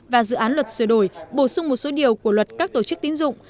và dự án luật sửa đổi bổ sung một số điều của luật các tổ chức tín dụng